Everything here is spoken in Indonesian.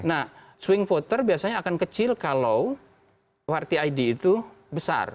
nah swing voter biasanya akan kecil kalau rti id itu besar